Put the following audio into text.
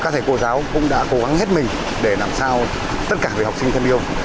các thầy cô giáo cũng đã cố gắng hết mình để làm sao tất cả học sinh thêm yếu